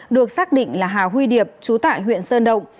được xác định là hà huy điệp chú tại huyện sơn động